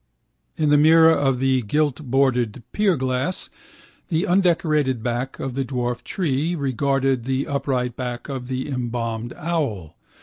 In the mirror of the giltbordered pierglass the undecorated back of the dwarf tree regarded the upright back of the embalmed owl.